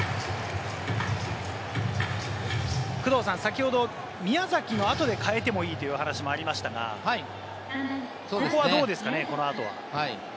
先ほど、宮崎の後で代えてもいいというお話がありましたが、工藤さん、ここはどうですかね？